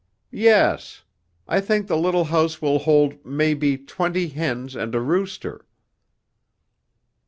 "Yes. I think the little house will hold maybe twenty hens and a rooster."